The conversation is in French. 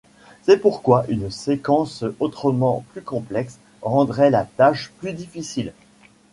C'est pourquoi une séquence autrement plus complexe rendrait la tâche plus difficile.